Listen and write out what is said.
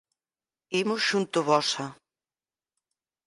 Imos xunto vosa